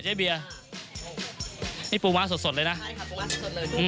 เบียร์นี่ปูม้าสดสดเลยนะใช่ค่ะปูม้าสดเลยนี่